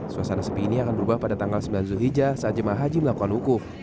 suasana sepi ini akan berubah pada tanggal sembilan zulhijjah saat jemaah haji melakukan wukuf